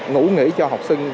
ngủ nghỉ cho học sinh